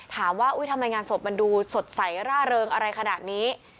ถามว่าทำไมงานศพมันดูสดใสร่าเริงอะไรขนาดนี้